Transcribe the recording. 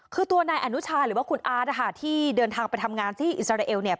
คือตัวนายอนุชาหรือว่าคุณอาร์ตนะคะที่เดินทางไปทำงานที่อิสราเอลเนี่ย